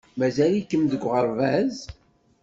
Mazal-iken deg uɣerbaz?